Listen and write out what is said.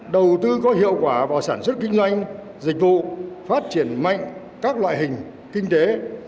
đầu tư có hiệu quả vào sản xuất kinh doanh dịch vụ phát triển mạnh các loại hình kinh tế